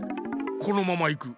このままいく。